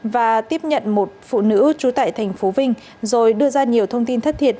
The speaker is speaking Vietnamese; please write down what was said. và tiếp nhận một phụ nữ trú tại thành phố vinh rồi đưa ra nhiều thông tin thất thiệt